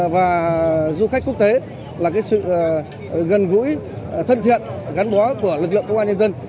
và du khách quốc tế là sự gần gũi thân thiện gắn bó của lực lượng công an nhân dân